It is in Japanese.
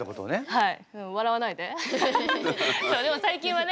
はい！